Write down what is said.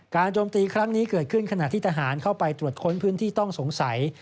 โจมตีครั้งนี้เกิดขึ้นขณะที่ทหารเข้าไปตรวจค้นพื้นที่ต้องสงสัย